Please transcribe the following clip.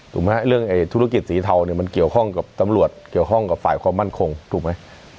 เรื่องธุรกิจสีเทาเนี่ยมันเกี่ยวข้องกับตำรวจเกี่ยวข้องกับฝ่ายความมั่นคงถูกไหม